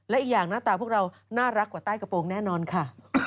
และอีกอย่างหน้าตาพวกเราน่ารักกว่าใต้กระโปรงแน่นอนค่ะ